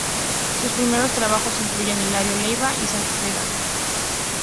Sus primeros trabajos incluyen "Hilario Leiva" y "Santos Vega".